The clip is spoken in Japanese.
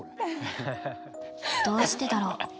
どうしてだろう。